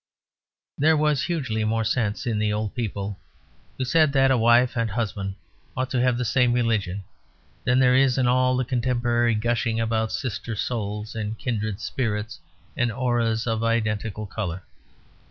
There was hugely more sense in the old people who said that a wife and husband ought to have the same religion than there is in all the contemporary gushing about sister souls and kindred spirits and auras of identical colour.